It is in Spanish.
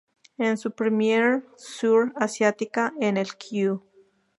En su premier sur-asiática, en el "Q!